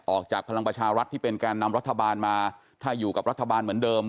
ออกจากพลังประชารัฐที่เป็นแก่นำรัฐบาลมาถ้าอยู่กับรัฐบาลเหมือนเดิม